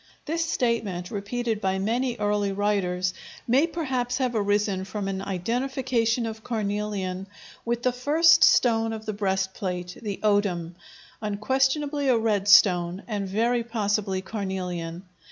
This statement, repeated by many early writers, may perhaps have arisen from an identification of carnelian with the first stone of the breastplate, the odem, unquestionably a red stone, and very possibly carnelian.